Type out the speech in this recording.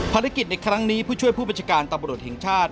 ในครั้งนี้ผู้ช่วยผู้บัญชาการตำรวจแห่งชาติ